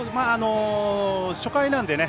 初回なんでね。